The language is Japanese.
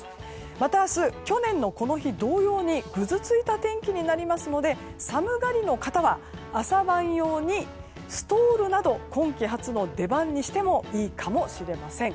また明日、去年のこの日同様にぐずついた天気になりますので寒がりの方は朝晩用にストールなどを今季初の出番にしてもいいかもしれません。